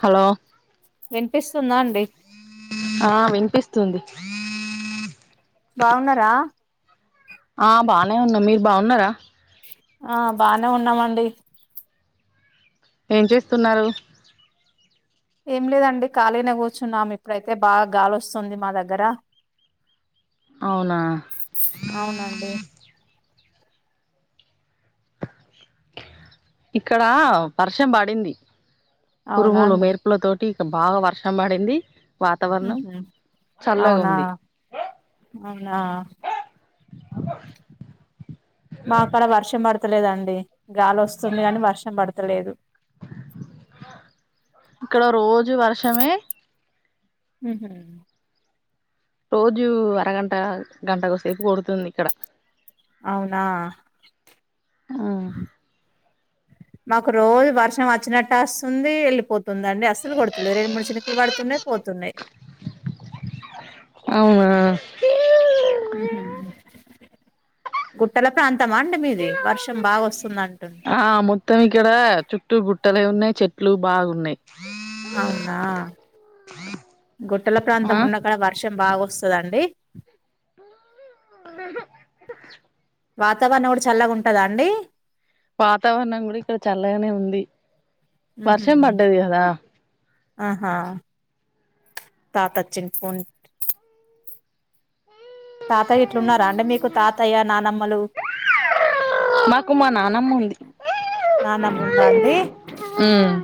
Hello వినిపిస్తుందా అండి ఆ విన్పిస్తుంది బాగున్నరా ఆ బానే ఉన్నా మీరు బా ఉన్నరా ఆ బానే ఉన్నామండి ఏం చేస్తున్నారు ఏం లేదండి ఖాళీనే కూర్చున్నాం ఇప్పుడైతే బాగా గాలోస్తుంది మా దగ్గర అవునా అవునా అండి ఇక్కడా పర్షం బడింది అవునా ఉరుములు అండి మెరుపుల తోటి ఇక బాగా వర్షం బడింది వాతావరణం ఉహు అవునా చల్లగుంది అవునా మా కాడ వర్షం బడు తలేదండి గాలొస్తుంది గాని వర్షం బడుతలేదు ఇక్కడ రోజు వర్షమే ఉహూ రోజూ అరగంట గంట కోసేపు కొడుతుంది ఇక్కడ అవునా అ మాకు రోజు వర్షం అచ్చినట్టే అస్సుంది వెళ్ళిపోతుంది అండి, అస్సలు కొడుతులే రెండు మూడు చినుకులు వడుతున్నయ్ పోతున్. పోతున్నాయ్ అవునా మ్మ్ఉహ్మ్ గుట్టల ప్రాంతమాండి మీది వర్షం బాగా వస్తుంది అంటున్ ఆ మొత్తం ఇక్కడ చుట్టూ గుట్టలే ఉన్నాయ్ చెట్లు బాగున్నాయి అవునా గుట్టల ఆ పాంత్రం ఉన్నకాడ వ ర్షం బాగోస్తాదండి ఊ ఉహ్ ఉహ్ వాతావరణం కూడా చల్లగా ఉంటదాండి వాతావరణం కూడా ఇక్కడ చల్లగానే ఉంది ఉహు వర్షం పడ్డది కదా ఆహా తాత అచ్చిండు ఫోన్ పెట్టు తాతయ్య ఇట్లున్నారాండి మీకు తాతయ్య నానమ్మలు మాకు మా నానమ్మ ఉంది నానమ్మ ఉందా అండి ఉమ్మ్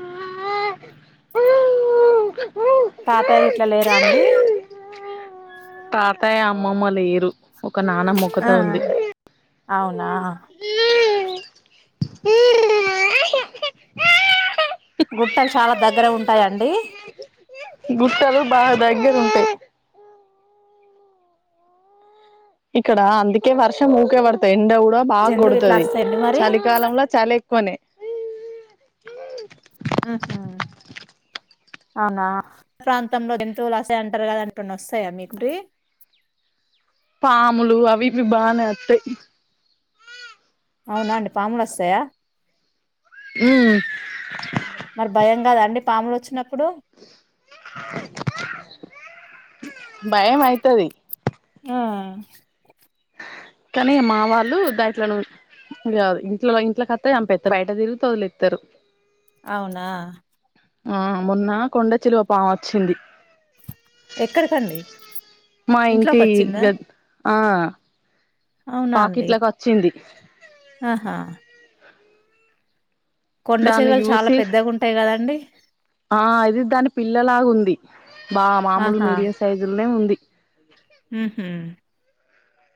తాతయ్య ఇట్లా లేరాండి ర్రర్ తాతయ్య అమ్మమ్మ లేరు ఒక నానమ్మ ఆ ఒక్కతే ఉంది అవునా గుట్టలు చాలా దగ్గర ఉంటాయండి బుట్టలు బాగా దగ్గ ఉంటాయి ఇక్కడ అందుకే వర్షం ఊకే పడతాయి ఎండ కూడా బాగా జంతువులు ఇట్లా కొడతాది వస్తాయండి మరి చలికాలంలో చలి ఎక్కువనే మ్మ్ఉహ్మ్ అవునా ప్రాంతంలో జంతువులు వస్తాయి అంటారు కదా అటున్న వస్తాయా మీకి పాములు అవి ఇవి బానే అత్తయ్ అవునాండి పాములు వస్తాయా ఉహ్మ్ మరి భయం కాదండి పాములు వచ్చినప్పుడు భయం అయితది ఉమ్మ్ కానీ మావాళ్ళు దాట్లను కాదు ఇంట్లో ఇంట్లోకాత్తే చంపేస్తారు బయట తిరిగితే వదిలేత్తారు అవునా ఉమ్మ్ మొన్న కొండ చిలువ పామొచ్చింది ఎక్కడికండి మా ఇంటి ఇంట్లోకొచ్చిందా? దగ్ ఆ అవునా అండి. వాకిట్లకు వచ్చింది ఆహా కొండ దాన్ని చెరువులు చాలా చూసి పెద్దగుంటాయి గదండీ. ఆ ఇది దాని పిల్లలాగా ఉంది బా మామూలు మీడియం సైజులోనే ఉంది మ్మ్ఉహ్మ్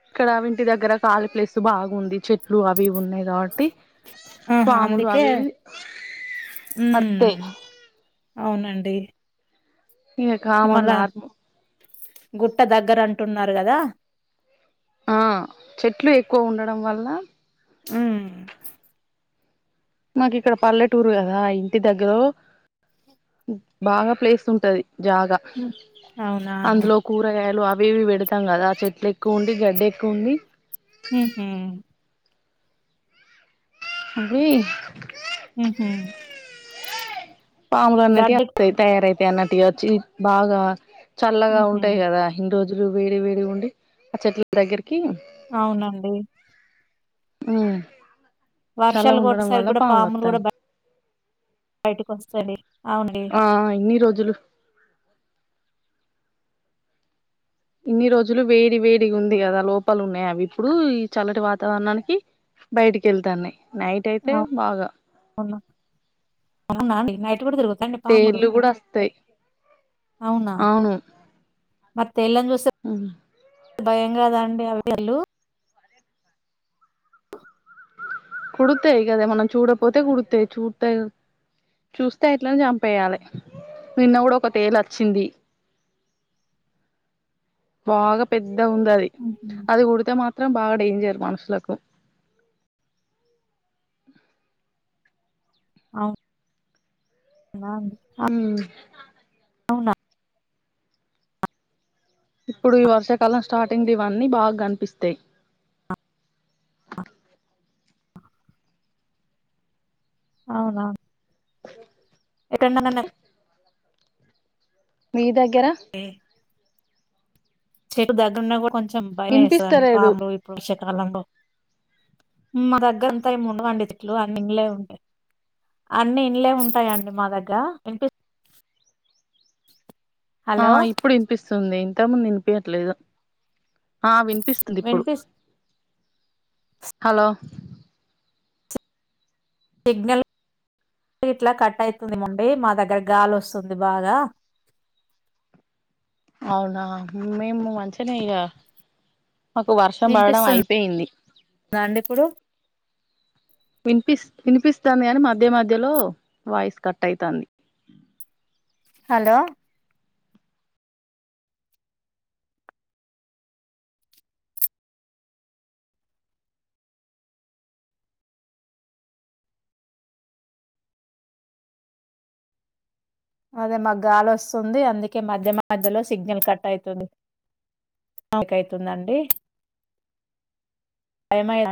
ఇక్కడా వింటి దగ్గర కాలి ప్లేస్ బాగుంది చెట్లు అవి ఇవి ఉన్నాయి కాబట్టి ఆహా! పాములు అందుకే అవి ఇవి హ్మ్. వత్తాయ్ అవునండి ఇగ కామన్ మళ్ళా నార్మల్ గుట్ట దగ్గరంటున్నారు గదా ఆ చెట్లు ఎక్కువ ఉండడం వల్ల ఉమ్మ్ నాకు ఇక్కడ పల్లెటూరు కదా ఇంటి దగ్గరో బాగా ప్లేస్ ఉంటది జాగా హ్మ్. అవునా! అందులో కూరగాయలు అవి వేవి పెడతాం కదా ఆ చెట్లు ఎక్కువ ఉండి గడ్డ ఎక్కువ ఉంది మ్మ్ హు అవి హ్మ్ హు పాములు అన్నటివి తయారైత అన్నటి వచ్చి బాగా చల్లగా హుహు. ఉంటాయి కదా ఇన్ని రోజులు వేడి వేడి ఉండి ఆ చెట్ల దగ్గరికి అవునండి ఉ చాలాగా వర్షాలు ఉండడం గొట్టేసరికి వల్ల పాములోస్తున్నాయి బయటకి వస్తాది ఆ ఎన్ని రోజులు ఇన్ని రోజులు వేడి వేడి ఉంది కదా లోపాలు ఉన్నాయి అవి ఇప్పుడు ఈ చల్లటి వాతావరణానికి బయటికి వెళ్తాన్నాయ్ నైట్ అయితే బాగా అవును. అవునా అండి? నైట్ కూడా [unintelligible] తేళ్లు కూడా వస్తాయి అవునా అవును మరి తెల్లంగోస్తాయ్ భయం గదండి అ [unintelligible] కుడతాయి కదా మనం చూడపోతే కుడుతాయి చూడ్తాయి చూస్తే ఎట్లనే చంపేయాలి నిన్న కూడా ఒక తేలి వచ్చింది బాగా పెద్ద పెద్దగుందది హుహు. అది అది కుడితే మాత్రం బాగా డేంజర్ మనుషులకు అవ్ బాగుంది ఆ అవ్నా ఇప్పుడు ఈ వర్షాకాలం స్టార్టింగు ఇవన్నీ బాగా కనిపిస్తాయి అ అవునా ఓ [inaudible] మీ దగ్గర చెట్ దగ్గరున్నా కూడా కొంచెం భయం వేస్తుందండి వినిపిస్తలేదు పాములు ఇప్పుడు వర్షకాలంలో మా దగ్గరంతా ఏమి ఉండవండి చెట్లు అన్ని ఇండ్లే ఉంటాయి అన్ని ఇండ్లే ఉంటాయండి మా దగ్గ ఇ ఆ ఇప్పుడు వినిపిస్తుంది ఇంత ముందు వినిపయట్లేదు ఆ వినిపిస్తుంది ఇప్పుడు వినిపిస్ హలో సిగ్నల్ ఇట్లా కట్ అయితుంది మండి మా దగ్గర గాలి వస్తుంది బాగా అవునా మేము మంచినే ఇక మాకు వర్షం పడడం వినిపిస్తుందా అయిపోయింది అండి ఇప్పుడు వినిపిస్ వినిపిస్తుంది గాని మధ్య మధ్యలో వాయిస్ కట్ అవుతుంది అ హలో అదే మాకు గాలి వస్తుంది అందుకే మధ్య మధ్యలో సిగ్నల్ కట్ అయితుంది [inaudible] అవుతుందండి [inaudible]